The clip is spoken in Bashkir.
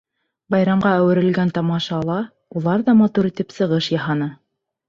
Байрамға әүерелгән тамашала улар ҙа матур итеп сығыш яһаны.